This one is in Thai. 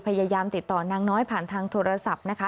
พยายามติดต่อนางน้อยผ่านทางโทรศัพท์นะคะ